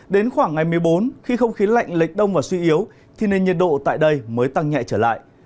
đến khoảng ngày một mươi bốn khi không khí lạnh lệch đông và suy yếu thì nền nhiệt độ tại đây mới tăng nhẹ trở lại